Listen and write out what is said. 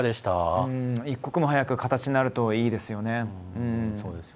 一刻も早く形になるといいですよね。